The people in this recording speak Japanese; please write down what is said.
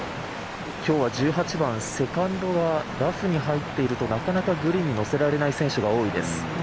今日は１８番セカンドはラフに入っているとなかなかグリーンに乗せられない選手が多いです。